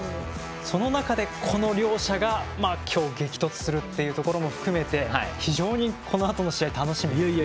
その中でこの両者が今日激突するっていうところも含めて非常にこのあとの試合が楽しみですね。